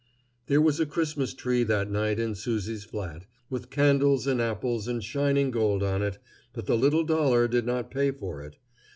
There was a Christmas tree that night in Susie's flat, with candles and apples and shining gold on, but the little dollar did not pay for it.